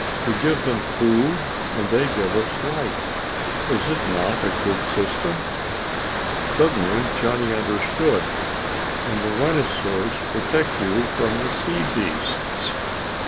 We give them food and they give us light. Is it not a good system?" Suddenly Johnny understood. "And the rhinosaurs protect you from the sea beasts...."